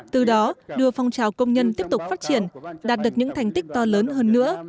từ đó đưa phong trào công nhân tiếp tục phát triển đạt được những thành tích to lớn hơn nữa